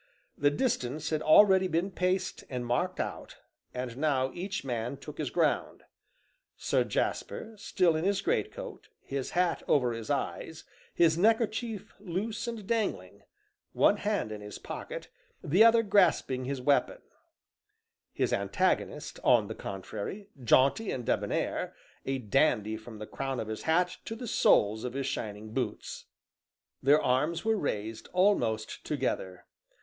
The distance had already been paced and marked out, and now each man took his ground Sir Jasper, still in his greatcoat, his hat over his eyes, his neckerchief loose and dangling, one hand in his pocket, the other grasping his weapon; his antagonist, on the contrary, jaunty and debonnair, a dandy from the crown of his hat to the soles of his shining boots. Their arms were raised almost together.